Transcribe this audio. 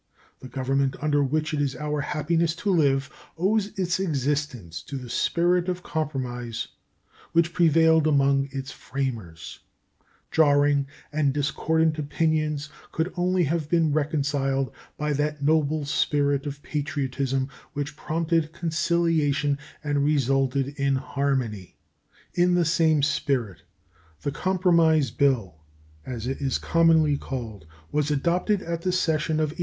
The Government under which it is our happiness to live owes its existence to the spirit of compromise which prevailed among its framers; jarring and discordant opinions could only have been reconciled by that noble spirit of patriotism which prompted conciliation and resulted in harmony. In the same spirit the compromise bill, as it is commonly called, was adopted at the session of 1833.